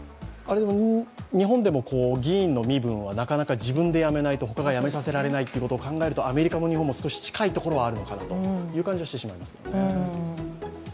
日本でも議員の身分は自分で辞めないとほかが辞めさせられないというところをみると、アメリカも日本も少し近いところはあるのかなという感じはしてしまいますね。